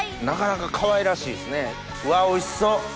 なかなかかわいらしいっすね。わおいしそう。